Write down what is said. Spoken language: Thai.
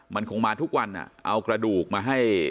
มันคงมาทุกวันเอากระดูกมาให้